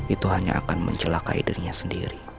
itu hanya akan mencelakai dirinya sendiri